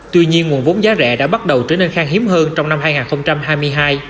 tuy nhiên nguồn vốn giá rẻ đã bắt đầu trở nên khang hiếm hơn trong năm hai nghìn hai mươi hai